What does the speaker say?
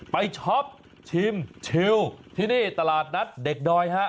ช็อปชิมชิวที่นี่ตลาดนัดเด็กดอยฮะ